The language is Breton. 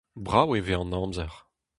Brav e vez an amzer.